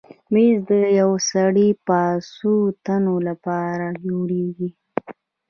مېز د یو سړي یا څو تنو لپاره جوړېږي.